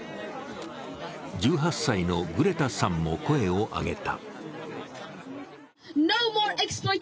１８歳のグレタさんも声を上げた。